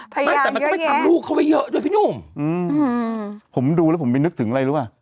ไม่แต่มันก็ไปทำลูกเขาไว้เยอะด้วยพี่หนุ่มอืมผมดูแล้วผมไปนึกถึงอะไรรู้ป่ะ